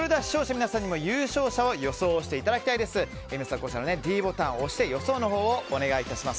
皆さん、ｄボタンを押して予想をお願いします。